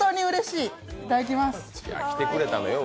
いただきます。